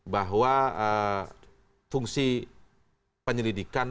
bahwa fungsi penyelidikan